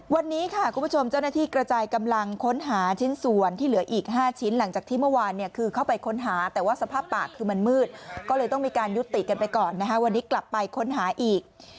วันนี้ค่ะคุณผู้ชมเจ้าหน้าที่กระจายกำลังค้นหาชิ้นส่วนที่เหลืออีก๕ชิ้นหลังจากที่เมื่อวานเนี่ยคือเข้าไปค้นหาแต่ว่าสภาพปากคือมันมืดก็เลยต้องมีการยุติกันไปก่อนนะคะวันนี้กลับไปค้นหาอีก